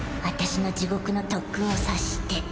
私の地獄の特訓を察して。